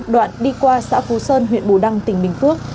đoạn đi qua xã phú sơn huyện bù đăng tỉnh bình phước